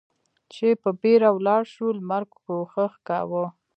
چې په بېړه ولاړ شو، لمر کوښښ کاوه.